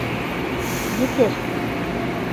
Етер!